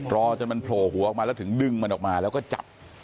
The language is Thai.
รอจนมันโผล่หัวออกมาแล้วถึงดึงมันออกมาแล้วก็จับ